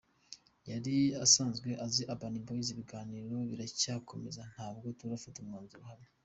Yari asanzwe azi Urban Boyz, ibiganiro biracyakomeza ntabwo turafata umwanzuro uhamye.